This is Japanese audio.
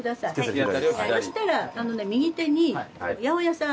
そうしたら右手に八百屋さん。